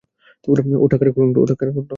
ওটা কার কন্ঠ?